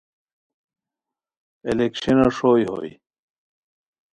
الیکشنو ݰوئے ہوئے